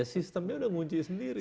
ya sistemnya udah mengunci sendiri